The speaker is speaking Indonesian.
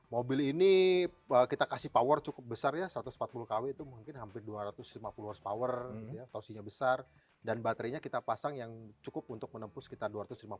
mobil ini kita kasih power cukup besar ya satu ratus empat puluh kw itu mungkin hampir dua ratus lima puluh warse power tosinya besar dan baterainya kita pasang yang cukup untuk menempuh sekitar dua ratus lima puluh